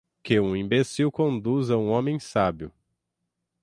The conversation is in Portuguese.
que um imbecil conduza um homem sábio